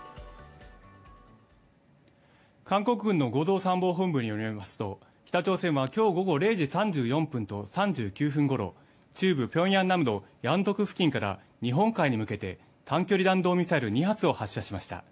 韓国軍の合同参謀本部によりますと北朝鮮は今日午後０時３４分と３９分ごろ中部ピョンアンナムド・ヤンドク付近から日本海に向けて短距離弾道ミサイル２発を発射しました。